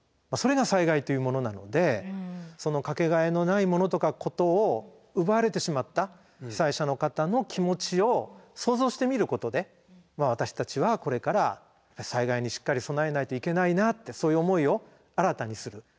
それが災害っていうものなのでそのかけがえのないものとかことを奪われてしまった被災者の方の気持ちを想像してみることで私たちはこれから災害にしっかり備えないといけないなってそういう思いを新たにする。